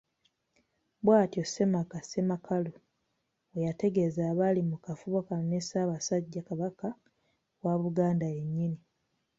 Bwatyo ssemaka, Ssemakalu bweyategeeza abaali mu kafubo kano ne Ssabasajja Kabaka wa Buganda yennyini!